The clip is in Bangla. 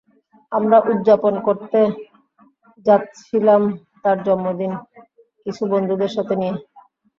আমরা উদযাপন করতে যাচ্ছিলাম তার জন্মদিন কিছু বন্ধুদের সাথে নিয়ে।